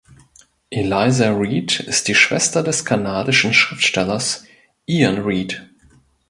Eliza Reid ist die Schwester des kanadischen Schriftstellers Iain Reid.